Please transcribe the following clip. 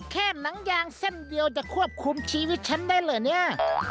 หนังยางเส้นเดียวจะควบคุมชีวิตฉันได้เหรอเนี่ย